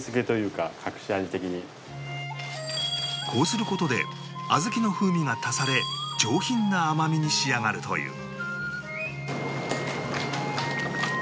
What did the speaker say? こうする事で小豆の風味が足され上品な甘みに仕上がるという